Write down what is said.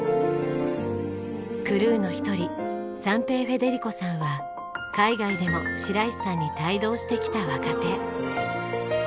クルーの一人三瓶笙暉古さんは海外でも白石さんに帯同してきた若手。